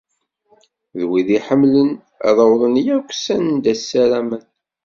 D wid iḥemmlen ad awḍen yakk s anda ssaramen.